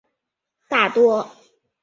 大多的升力都产生于翼展的内部。